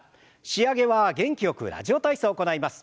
仕上げは元気よく「ラジオ体操」を行います。